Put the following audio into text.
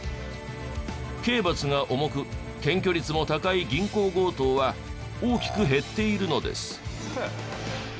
刑罰が重く検挙率も高い銀行強盗は大きく減っているのです。